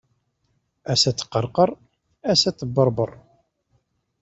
Ass ad teqqerqer, ass ad tebbeṛbeṛ.